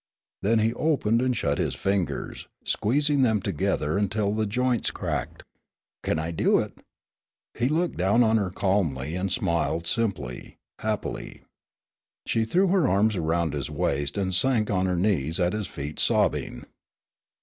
Then he opened and shut his fingers, squeezing them together until the joints cracked. "Kin I do it?" He looked down on her calmly and smiled simply, happily. She threw her arms around his waist and sank on her knees at his feet sobbing.